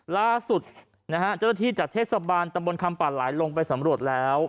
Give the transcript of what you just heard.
ล่าสุดจุดที่จากเทศบาลตำบลคำปั่นหลายลงไปสำรวจแล้ว